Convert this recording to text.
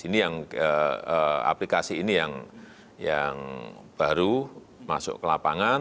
ini yang aplikasi ini yang baru masuk ke lapangan